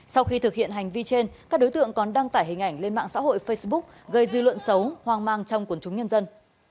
sau khi thực hiện hành vi trên các đối tượng còn đăng tải hình ảnh lên mạng xã hội facebook gây dư luận xấu hoang mang trong quần chúng nhân dân